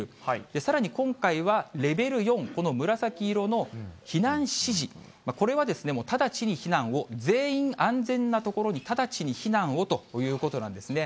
さらに今回は、レベル４、この紫色の避難指示、これは直ちに避難を、全員、安全な所に直ちに避難をということなんですね。